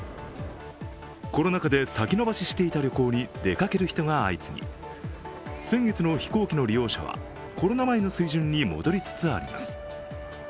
コロナ禍で先延ばししていた旅行に出かける人が相次ぎ先月の飛行機の利用者は、コロナ前の水準に戻りつつあります。